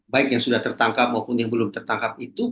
baik yang sudah tertangkap maupun yang belum tertangkap itu